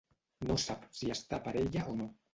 No sap si està per ella o no.